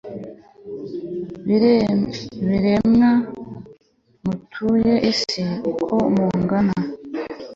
biremwa mutuye isi uko mungana